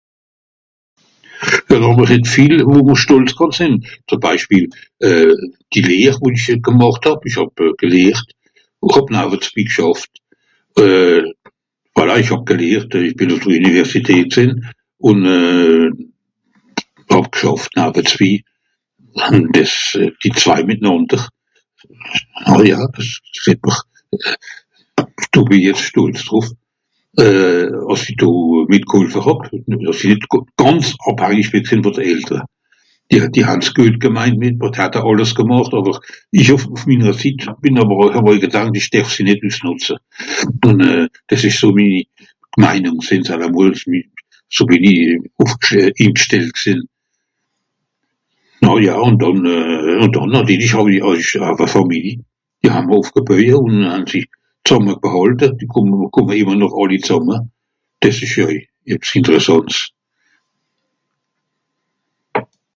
(...) viel, wo mr stolz kànn sìnn. Zem Beispiel euh... die Lehr, wo-n-ìch gmàcht hàb, ìch hàb gelehrt, ùn hàb nawetsbi gschàfft, euh... voilà ìch hàb gelehrt, ìch bìn ùf de Üniversität gsìnn ùn euh.. hàb gschàfft nawetzbi, ùn dìs... die zwei mìtnànder. Oh ja, s'het mr, do bìn i jetz stolz drùf, euh... àss i do mìtgholfe hàb. (...) vù de Eltere. Die han's güet gemeint mìt mr, Die hatte àlles gemàcht, àwer ìch hàb ìn minnere Zitt, hàb mr gedankt ìch derf sie nìt üsnùtze. Ùn euh, dìs ìsch so minni Meinùng gsìnn sallamolls, so bìn i ùfgste...ingstellt gsìnn. Oh ja ùn dànn... ùn dànn nàtirlisch hàw-i (...) Fàmili. Mìr han ùfgeboeie ùn sie zàmme bhàlte. Die kùmme no... kùmme ìmmer noch àlli zàmme. Dìs ìsch jo oei... ebbs ìnteressànts.